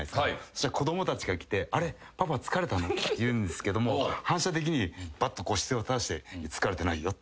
そしたら子供たちが来て「あれ？パパ疲れたの？」って言うんですけども反射的にバッと姿勢を正して「疲れてないよ」